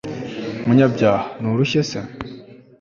munyabyaha nturushye se